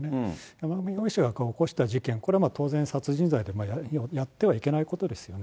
山上容疑者が起こした事件、これは当然、殺人罪でやってはいけないことですよね。